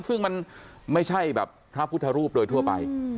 ซึ่งมันไม่ใช่แบบพระพุทธรูปโดยทั่วไป